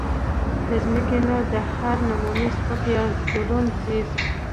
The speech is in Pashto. د زمکې نه د هر نمونه سپک يا درون څيز